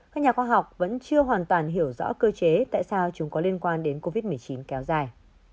các nhà khoa học vẫn chưa hoàn toàn hiểu rõ cơ chế tại sao chúng có liên quan đến covid một mươi chín kéo dài